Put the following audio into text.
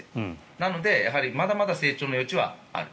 なので、まだまだ成長の余地はある。